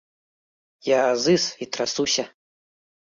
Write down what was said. Я азыз і трасуся.